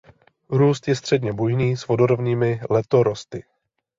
Růst je středně bujný s vodorovnými letorosty.